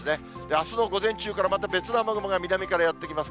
あすの午前中からまた別の雨雲が南からやって来ます。